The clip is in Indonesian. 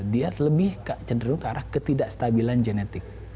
dia lebih cenderung ke arah ketidakstabilan genetik